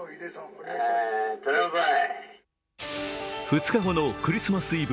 ２日後のクリスマスイブ。